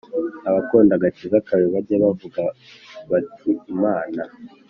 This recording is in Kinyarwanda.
Abakunda agakiza kawe bajye bavuga bati Imana